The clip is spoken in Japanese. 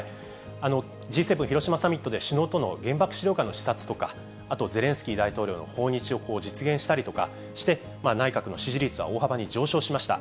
Ｇ７広島サミットで、首脳との原爆資料館の視察とか、あとゼレンスキー大統領の訪日を実現したりとかして、内閣の支持率は大幅に上昇しました。